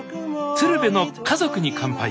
「鶴瓶の家族に乾杯」。